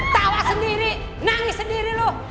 tawa sendiri nangis sendiri loh